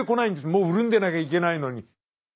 もう潤んでなきゃいけないのに。